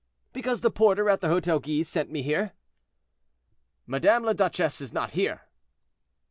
"Because the porter at the Hotel Guise sent me here." "Madame la Duchesse is not here."